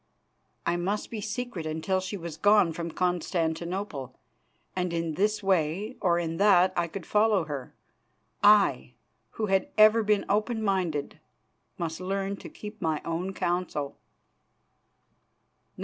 I must be secret until she was gone from Constantinople, and in this way or in that I could follow her. I, who had ever been open minded, must learn to keep my own counsel.